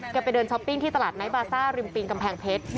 ไปเดินช้อปปิ้งที่ตลาดไนท์บาซ่าริมปิงกำแพงเพชร